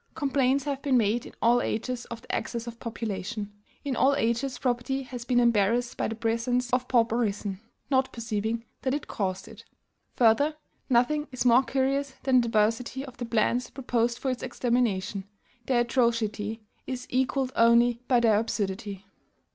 Complaints have been made in all ages of the excess of population; in all ages property has been embarrassed by the presence of pauperism, not perceiving that it caused it. Further, nothing is more curious than the diversity of the plans proposed for its extermination. Their atrocity is equalled only by their absurdity.